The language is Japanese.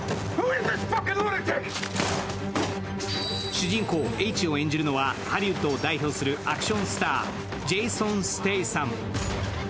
主人公Ｈを演じるのは、ハリウッドを代表するアクションスター、ジェイソン・ステイサム。